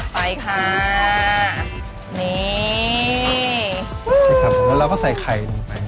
ใช่ครับแล้วเราก็ใส่ไข่หนึ่งไป